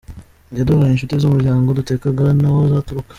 Yaduhaye inshuti z’umuryango tutakekaga naho zaturuka.